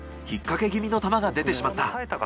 引っ掛け気味の球が出てしまった。